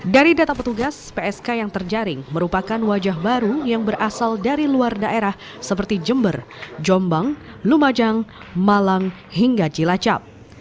dari data petugas psk yang terjaring merupakan wajah baru yang berasal dari luar daerah seperti jember jombang lumajang malang hingga cilacap